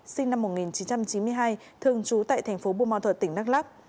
sinh năm một nghìn chín trăm chín mươi hai thường trú tại tp bùa mò thuật tỉnh đắk lắk